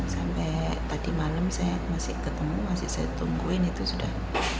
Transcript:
sampai tadi malam saya masih ketemu masih saya tungguin itu sudah